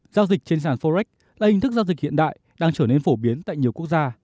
giao dịch trên sàn forex là hình thức giao dịch hiện đại đang trở nên phổ biến tại nhiều quốc gia